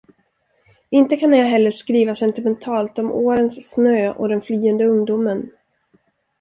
Inte kan jag heller skriva sentimentalt om årens snö och den flyende ungdomen.